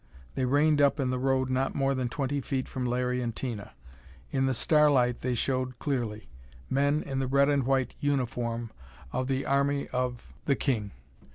They reined up in the road not more than twenty feet from Larry and Tina. In the starlight they showed clearly men in the red and white uniform of the army of the King.